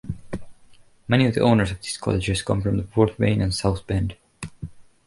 Many of the owners of these cottages come from Fort Wayne and South Bend.